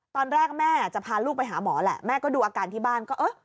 ตอนแรกแม่จะพาลูกไปหาหมอแหละแม่ก็ดูอาการที่บ้านก็เออ